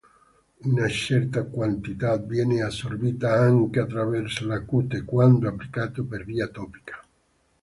Una certa quantità viene assorbita anche attraverso la cute, quando applicato per via topica.